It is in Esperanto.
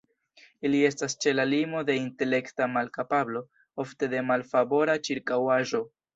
Ili estas ĉe la limo de intelekta malkapablo, ofte de malfavora ĉirkaŭaĵo.